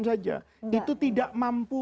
saja itu tidak mampu